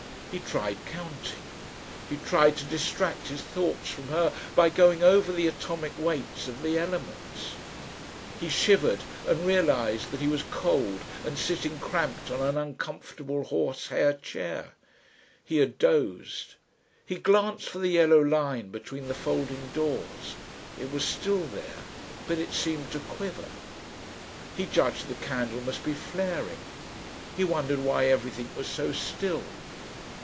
He tried counting. He tried to distract his thoughts from her by going over the atomic weights of the elements.... He shivered, and realised that he was cold and sitting cramped on an uncomfortable horsehair chair. He had dozed. He glanced for the yellow line between the folding doors. It was still there, but it seemed to quiver. He judged the candle must be flaring. He wondered why everything was so still.